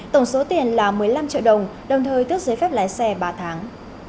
một số tiền là một mươi năm triệu đồng đồng thời tước giới phép lái xe ba tháng